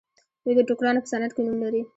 دوی د ټوکرانو په صنعت کې نوم لري.